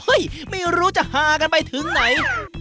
ไม่รู้จะฮากันไปถึงไหน